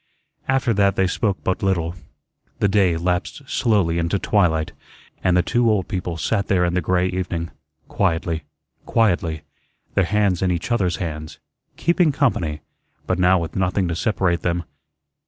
After that they spoke but little. The day lapsed slowly into twilight, and the two old people sat there in the gray evening, quietly, quietly, their hands in each other's hands, "keeping company," but now with nothing to separate them.